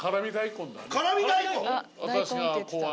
辛味大根。